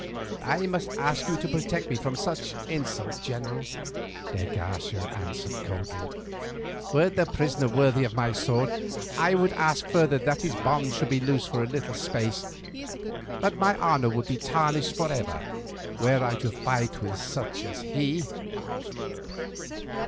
"I must ask you to protect me from such insult, general," de Garcia answered coldly. "Were the prisoner worthy of my sword, I would ask further that his bonds should be loosed for a little space, but my honour would be tarnished for ever were I to fight with such as he."